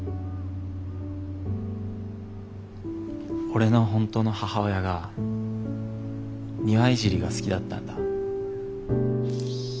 俺の本当の母親が庭いじりが好きだったんだ。